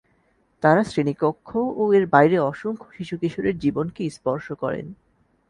তাঁরা শ্রেণিকক্ষ ও এর বাইরে অসংখ্য শিশু কিশোরের জীবনকে স্পর্শ করেন।